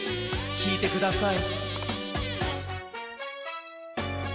きいてください。